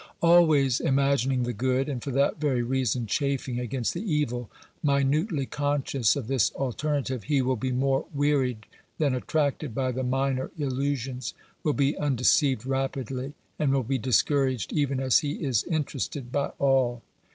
Always imagining the good, and for that very reason chafing against the evil, minutely conscious of this alternative, he will be more wearied than attracted by the minor illusions, will be undeceived rapidly and will be discouraged even as he is interested by all.